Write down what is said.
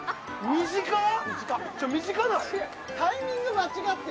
短っ！